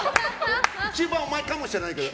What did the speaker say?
一番うまいかもしれないけど。